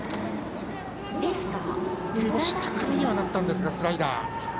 少し高めにはなったんですがスライダー。